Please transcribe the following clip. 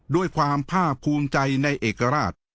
ด้วยความภาคภูมิใจในเอกราช